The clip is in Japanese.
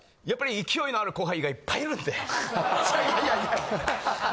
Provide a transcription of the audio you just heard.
やっぱり、勢いのある後輩がいっぱいいるんで。